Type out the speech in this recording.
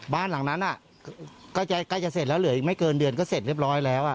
บ้านหลังนั้นใกล้จะเสร็จแล้วเหลืออีกไม่เกินเดือนก็เสร็จเรียบร้อยแล้ว